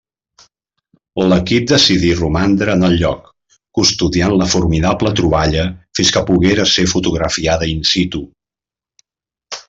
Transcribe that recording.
L'equip decidí romandre en el lloc, custodiant la formidable troballa fins que poguera ser fotografiada in situ.